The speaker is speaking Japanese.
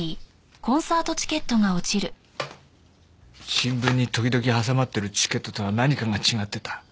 新聞に時々挟まってるチケットとは何かが違ってた。